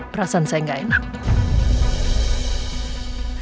perasaan saya gak enak